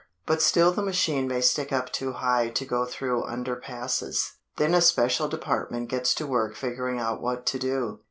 But still the machine may stick up too high to go through underpasses. Then a special department gets to work figuring out what to do.